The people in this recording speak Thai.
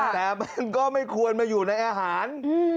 แต่มันก็ไม่ควรมาอยู่ในอาหาร